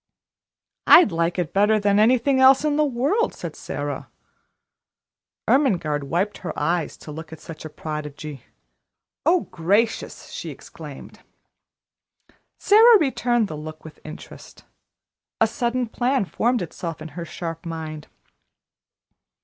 "I'd like it better than anything else in the world," said Sara. Ermengarde wiped her eyes to look at such a prodigy. "Oh, gracious!" she exclaimed. Sara returned the look with interest. A sudden plan formed itself in her sharp mind.